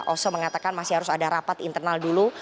oso mengatakan masih harus ada rapat internal dulu